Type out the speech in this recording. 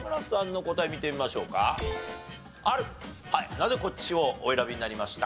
なぜこっちをお選びになりました？